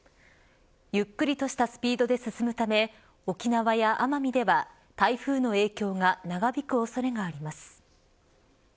ゆっくりとしたスピードで進むため沖縄や奄美では台風の影響が長引く恐れがあります。